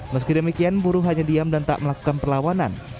meski demikian buruh hanya diam dan tak melakukan perlawanan